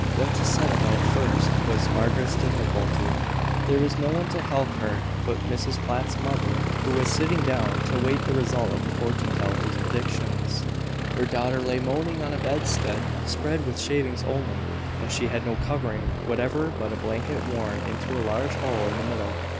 What to set about first was Margaret's difficulty. There was no one to help her but Mrs Platt's mother, who was sitting down to wait the result of the fortune teller's predictions. Her daughter lay moaning on a bedstead spread with shavings only, and she had no covering whatever but a blanket worn into a large hole in the middle.